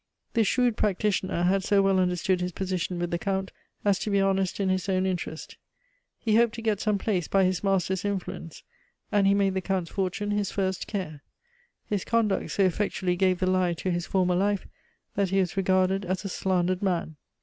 This shrewd practitioner had so well understood his position with the Count as to be honest in his own interest. He hoped to get some place by his master's influence, and he made the Count's fortune his first care. His conduct so effectually gave the lie to his former life, that he was regarded as a slandered man.